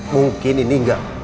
mungkin ini gak